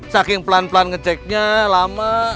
saking pelan pelan ngeceknya lama